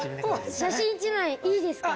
写真１枚いいですか？